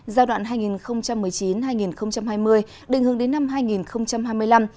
giai đoạn hai nghìn một mươi chín hai nghìn hai mươi định hướng đến năm hai nghìn hai mươi năm